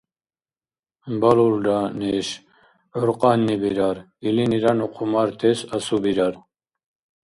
Балулра, неш, гӀур кьанни бирар, илинира ну хъумартес асубирар.